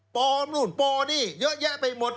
นู่นปลอมนี่เยอะแยะไปหมด